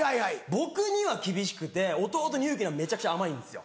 僕には厳しくて弟の有輝にはめちゃくちゃ甘いんですよ。